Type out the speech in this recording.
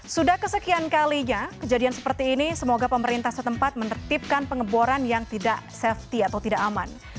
sudah kesekian kalinya kejadian seperti ini semoga pemerintah setempat menertibkan pengeboran yang tidak safety atau tidak aman